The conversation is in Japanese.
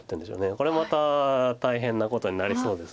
これまた大変なことになりそうです。